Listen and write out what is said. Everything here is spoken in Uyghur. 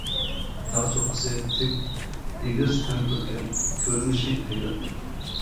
تاغ چوققىسى تىك، ئېگىز ھەم كۆركەم، كۆرۈنۈشى ھەيۋەتلىك.